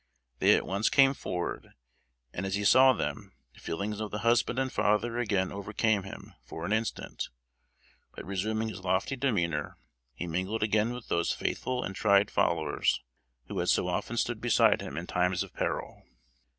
They at once came forward, and as he saw them, the feelings of the husband and father again overcame him for an instant; but resuming his lofty demeanor he mingled again with those faithful and tried followers, who had so often stood beside him in times of peril.